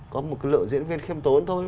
có một cái lựa diễn viên khiêm tốn thôi